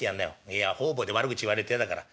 いや方々で悪口言われると嫌だから。